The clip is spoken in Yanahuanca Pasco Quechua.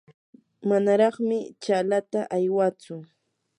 manaraqmi chaalata aywatsu.